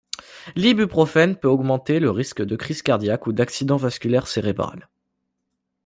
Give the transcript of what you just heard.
L'ibuprofène peut augmenter le risque de crise cardiaque ou d'accident vasculaire cérébral.